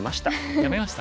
やめました？